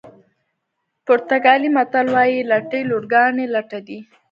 پرتګالي متل وایي لټې لورګانې لټه دي.